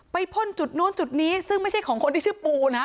พ่นจุดโน้นจุดนี้ซึ่งไม่ใช่ของคนที่ชื่อปูนะ